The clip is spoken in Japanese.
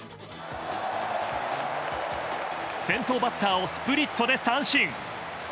先頭バッターをスプリットで三振。